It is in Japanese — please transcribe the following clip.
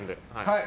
はい。